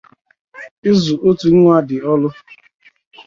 Ịzụ otu nwa dị ọlụ